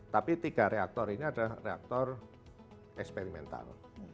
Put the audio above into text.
tapi tiga reaktor ini adalah reaktor eksperimental